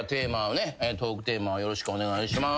トークテーマをよろしくお願いします。